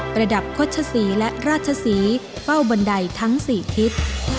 ระดับโฆษศรีและราชศรีเฝ้าบันไดทั้ง๔ทิศ